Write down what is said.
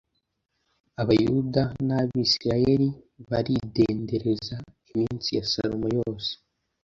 abayuda n'abasirayeli baridendereza iminsi ya salomo yose